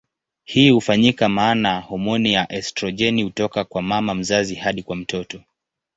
Hii hufanyika maana homoni ya estrojeni hutoka kwa mama mzazi hadi kwa mtoto.